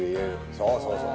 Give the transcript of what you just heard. そうそうそう。